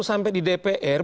sampai di dpr